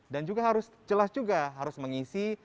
dan juga harus jelas juga harus mengisi